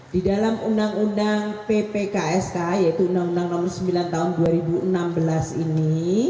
di dalam undang undang ppksk yaitu undang undang nomor sembilan tahun dua ribu enam belas ini